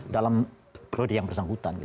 dalam proyek yang bersangkutan